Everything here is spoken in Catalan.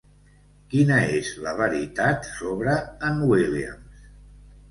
Quina és la veritat sobre en Williams?